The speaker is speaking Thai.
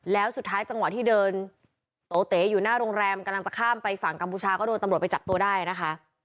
แล้วสุดท้ายจังหวะที่เดินโตเต๋อยู่หน้าโรงแรมกำลังจะข้ามไปฝั่งกัมพูชาก็โดนตำรวจไปจับตัวได้นะคะ